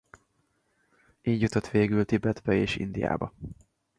Így jutott végül Tibetbe és Indiába.